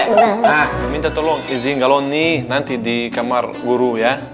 nah minta tolong izin galon nih nanti di kamar guru ya